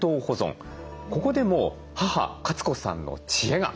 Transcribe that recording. ここでも母・カツ子さんの知恵が。